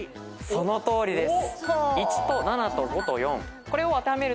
そのとおりです。